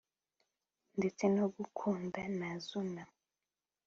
ndetse no gukunda ntazunama!